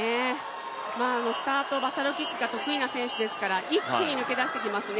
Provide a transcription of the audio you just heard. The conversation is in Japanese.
スタート、バサロキックが得意な選手ですから一気に飛び出してきますね。